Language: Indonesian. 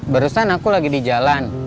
barusan aku lagi di jalan